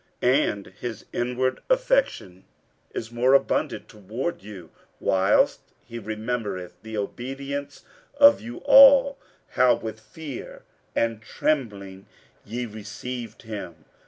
47:007:015 And his inward affection is more abundant toward you, whilst he remembereth the obedience of you all, how with fear and trembling ye received him.